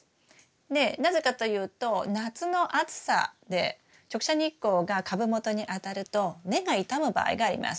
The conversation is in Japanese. でなぜかというと夏の暑さで直射日光が株元に当たると根が傷む場合があります。